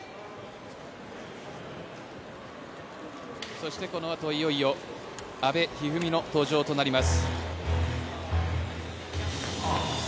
そして、このあといよいよ阿部一二三の登場となります。